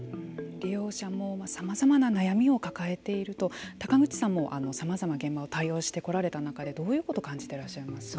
利用者もさまざまな悩みを抱えていると高口さんも、さまざま現場を対応してこられた中でどういうことを感じていらっしゃいますか。